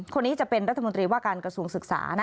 คนนี้จะเป็นรัฐมนตรีว่าการกระทรวงศึกษานะ